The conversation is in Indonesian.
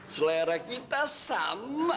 selera kita sama